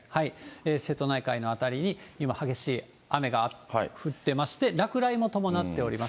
瀬戸内海の辺りに今、激しい雨が降ってまして、落雷も伴っております。